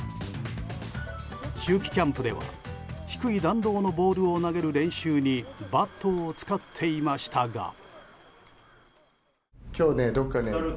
秋季キャンプでは低い弾道のボールを投げる練習にバットを使っていましたが。